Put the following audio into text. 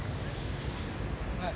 はい。